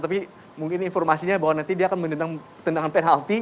tapi mungkin informasinya bahwa nanti dia akan mendendang tendangan penalti